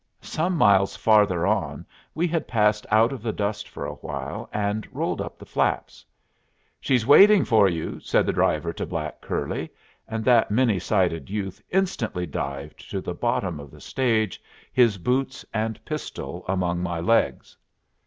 Some miles farther on we had passed out of the dust for a while, and rolled up the flaps. "She's waiting for you," said the driver to black curly, and that many sided youth instantly dived to the bottom of the stage, his boots and pistol among my legs.